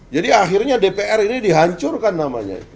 jadi akhirnya dpr ini dihancurkan namanya